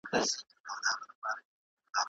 موبایل د نوي خبر د راتلو نښه ده.